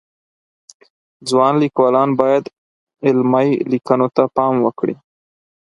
ځوان لیکوالان باید علمی لیکنو ته پام وکړي